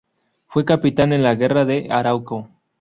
Fue capitán en la guerra de Arauco.